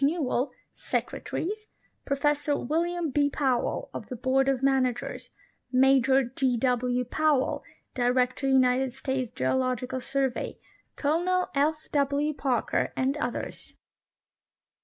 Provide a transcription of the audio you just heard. Newell, Secretaries; Professor William B Powell, of the Bqard of Managers ; Major J. W. Powell, Director United States Geological Survey ; Colonel F. W. Parker, and others.